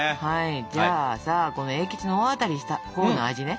じゃあさこの栄吉の大当たりしたほうの味ね。